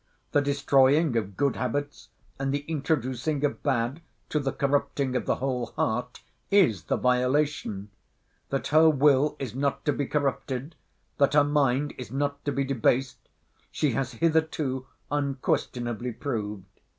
The destroying of good habits, and the introducing of bad, to the corrupting of the whole heart, is the violation. That her will is not to be corrupted, that her mind is not to be debased, she has hitherto unquestionably proved.